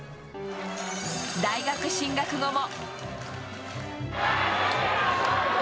大学進学後も。